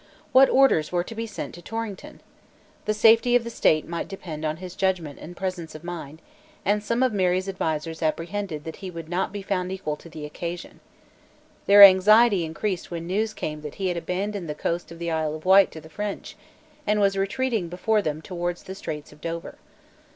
What orders were to be sent to Torrington? The safety of the State might depend on his judgment and presence of mind; and some of Mary's advisers apprehended that he would not be found equal to the occasion. Their anxiety increased when news came that he had abandoned the coast of the Isle of Wight to the French, and was retreating before them towards the Straits of Dover.